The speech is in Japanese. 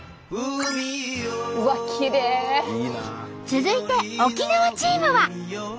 続いて沖縄チームは。